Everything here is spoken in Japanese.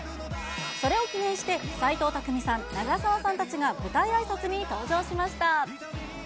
それを記念して、斎藤工さん、長澤さんたちが舞台あいさつに登場しました。